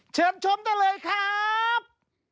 เชิญชมได้เลยครับ